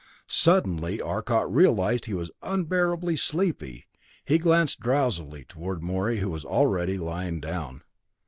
Suddenly Arcot realized he was unbearably sleepy. He glanced drowsily toward Morey who was already lying down.